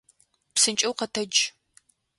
Псынкӏэу къэтэдж!